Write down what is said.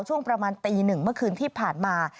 ช่วงประมาณตีหนึ่งเมื่อคืนที่ผ่านมา